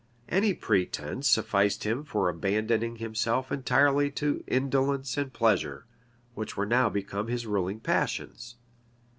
Any pretence sufficed him for abandoning himself entirely to indolence and pleasure, which were now become his ruling passions.